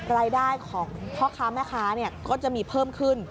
รายได้ของพ่อค้าแม่ค้าก็จะมีเพิ่มขึ้น